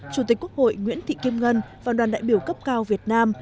chủ tịch quốc hội nguyễn thị kim ngân và đoàn đại biểu cấp cao việt nam